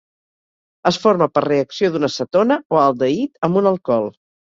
Es forma per reacció d'una cetona o aldehid amb un alcohol.